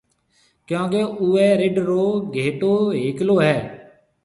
ڪيونڪہ اُوئي رڍ رو گھيَََٽو هيڪلو هيَ۔